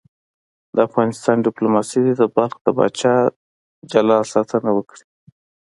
د افغانستان دیپلوماسي دې د بلخ د پاچا د جلال ساتنه وکړي.